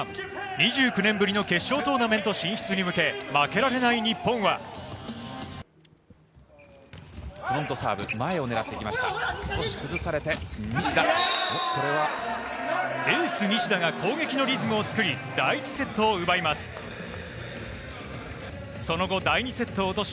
２９年ぶりの決勝トーナメント進出へ向け、負けられない日フロントサーブ、前を狙っていきました、エース・西田が攻撃のリズムをつくり第１セットを奪います。